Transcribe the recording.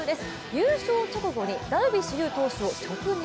優勝直後にダルビッシュ有投手を直撃。